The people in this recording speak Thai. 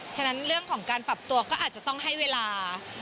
ฉะนั้นเรื่องของการปรับตัวก็อาจจะต้องให้เวลา